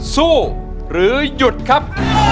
สู้หรือหยุดครับ